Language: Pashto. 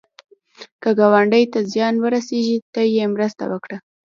که ګاونډي ته زیان ورسېږي، ته یې مرسته وکړه